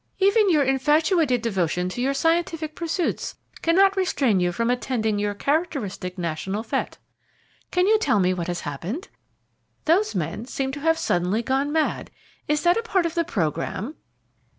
"Even your infatuated devotion to your scientific pursuits cannot restrain you from attending your characteristic national fête. Can you tell me what has happened? Those men seem to have suddenly gone mad is that a part of the programme?"